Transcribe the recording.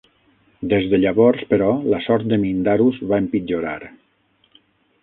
Des de llavors, però, la sort de Mindarus va empitjorar.